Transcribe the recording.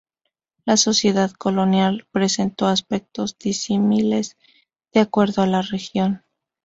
La sociedad colonial presentó aspectos disímiles de acuerdo a la región.